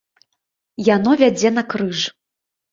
Яно вядзе на крыж.